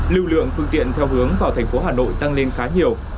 lưu lượng phương tiện theo hướng vào thành phố hà nội tăng lên khá nhiều